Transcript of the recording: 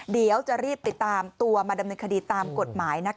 เดี๋ยวจะรีบติดตามตัวมาดำเนินคดีตามกฎหมาย